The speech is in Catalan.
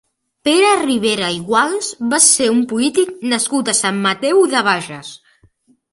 Pere Ribera i Guals va ser un polític nascut a Sant Mateu de Bages.